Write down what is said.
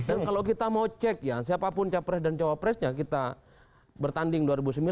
dan kalau kita mau cek ya siapapun capres dan cawapresnya kita bertanding dua ribu sembilan dua ribu empat